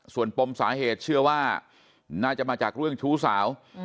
ส่วนปมสาเหตุเชื่อว่าน่าจะมาจากเรื่องชู้สาว